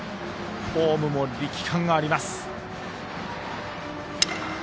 フォームも力感があります。